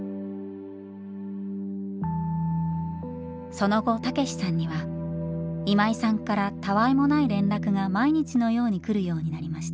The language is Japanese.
その後たけしさんには今井さんからたわいもない連絡が毎日のように来るようになりました。